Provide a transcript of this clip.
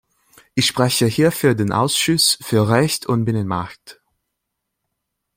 Ich spreche hier für den Ausschuss für Recht und Binnenmarkt.